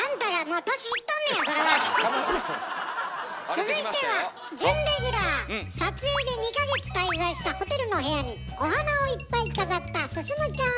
続いては撮影で２か月滞在したホテルの部屋にお花をいっぱい飾った進ちゃん！